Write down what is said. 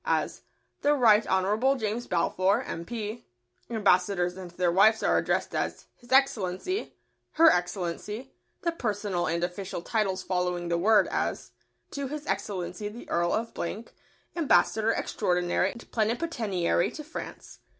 as: The Right Honourable James Balfour, M.P. [Sidenote: Ambassadors.] Ambassadors and their wives are addressed as "His Excellency," "Her Excellency," the personal and official titles following the word, as: To His Excellency the Earl of , Ambassador Extraordinary and Plenipotentiary to France.